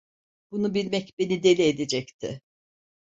Bunu bilmek beni deli edecekti.